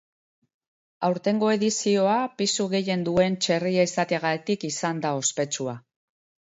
Aurtengo edizioa pisu gehien duen txerria izateagatik izango da ospetsua.